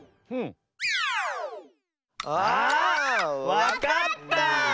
わかった！